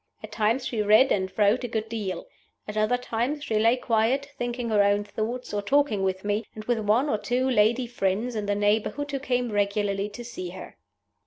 At times she read and wrote a good deal. At other times she lay quiet, thinking her own thoughts, or talking with me, and with one or two lady friends in the neighborhood who came regularly to see her.